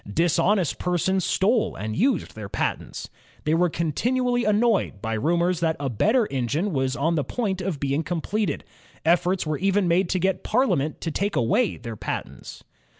Dishonest persons stole and used their patents. They were continually annoyed by rumors that JAMES WATT 23 a better engine was on the point of being completed. Efforts were even made to get Parliament to take away their patents.